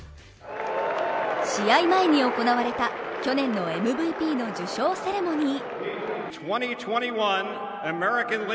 試合前に行われた去年のＭＶＰの受賞セレモニー。